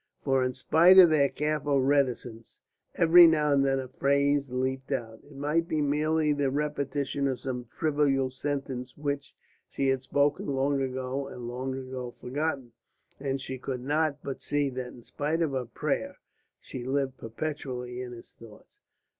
For in spite of their careful reticence, every now and then a phrase leaped out it might be merely the repetition of some trivial sentence which she had spoken long ago and long ago forgotten and she could not but see that in spite of her prayer she lived perpetually in his thoughts.